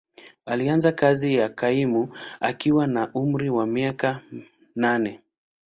Alianza kazi ya kaimu akiwa na umri wa miaka nane.